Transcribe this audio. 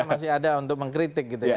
masih ada untuk mengkritik gitu ya